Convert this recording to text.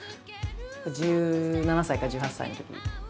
１７歳か１８歳のとき。